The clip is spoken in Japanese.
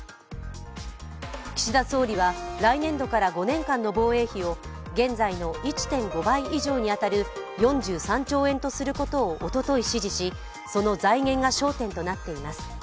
岸田総理は、来年度から５年間の防衛費を現在の１．５倍以上に当たる４３兆円とすることをおととい指示し、その財源が焦点となっています。